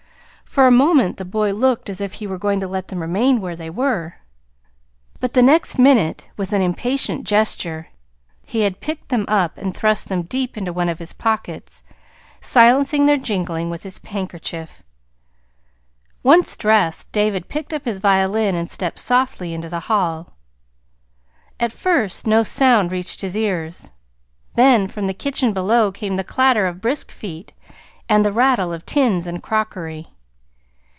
For a moment the boy looked as if he were going to let them remain where they were. But the next minute, with an impatient gesture, he had picked them up and thrust them deep into one of his pockets, silencing their jingling with his handkerchief. Once dressed, David picked up his violin and stepped softly into the hall. At first no sound reached his ears; then from the kitchen below came the clatter of brisk feet and the rattle of tins and crockery.